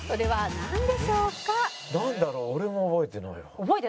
なんだろう？俺も覚えてないな。